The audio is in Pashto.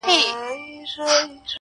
که نه نو ولي بيا جواب راکوي.